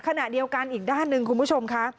ขณะเดียวกันอีกด้านหนึ่งคุณผู้ชมค่ะ